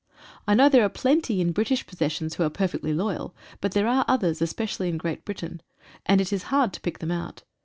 I know there are plenty in British possessions who are perfectly loyal, but there are others, especially in Great Britain, and it is hard to pick them out.